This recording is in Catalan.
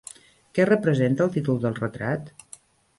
Què representa el títol del retrat?